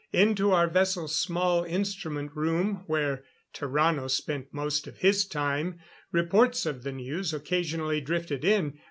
Into our vessel's small instrument room, where Tarrano spent most of his time, reports of the news occasionally drifted in.